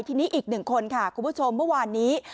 ทีนี้อีกหนึ่งคนค่ะคุณผู้ชมเมื่อวานนี้